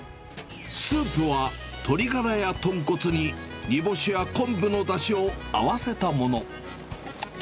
スープは鶏がらや豚骨に煮干しや昆布のだしを合わせたもの。